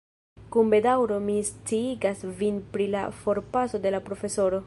Kun bedaŭro mi sciigas vin pri la forpaso de la profesoro.